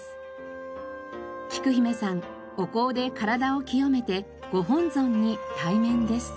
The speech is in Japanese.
きく姫さんお香で体を清めてご本尊に対面です。